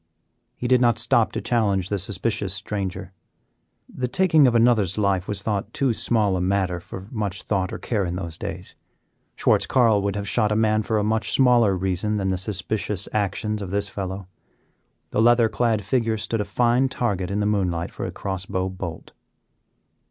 He did not stop to challenge the suspicious stranger. The taking of another's life was thought too small a matter for much thought or care in those days. Schwartz Carl would have shot a man for a much smaller reason than the suspicious actions of this fellow. The leather clad figure stood a fine target in the moonlight for a cross bow bolt.